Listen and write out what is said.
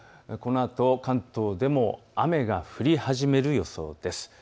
このあと関東でも雨が降り始める予想です。